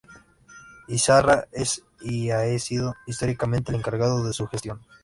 Izarra es y ha sido históricamente el encargado de su gestión.